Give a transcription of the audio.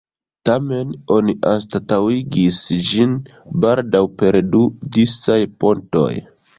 Tamen oni anstataŭigis ĝin baldaŭ per du disaj pontoj.